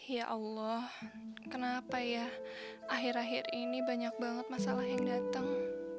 ya allah kenapa ya akhir akhir ini banyak banget masalah yang datang